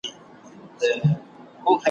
د ځالۍ له پاسه مار یې وولیدلی `